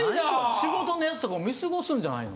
仕事のやつとかも見過ごすんじゃないの？